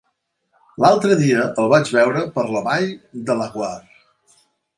L'altre dia el vaig veure per la Vall de Laguar.